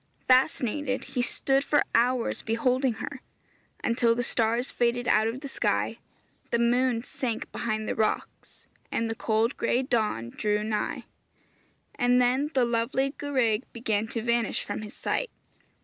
Fascinated, he stood for hours beholding her, until the stars faded out of the sky, the moon sank behind the rocks, and the cold gray dawn drew nigh; and then the lovely gwraig began to vanish from his sight.